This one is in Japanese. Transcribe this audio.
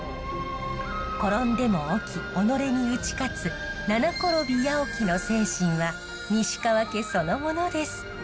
転んでも起き己に打ち勝つ七転び八起きの精神は西川家そのものです。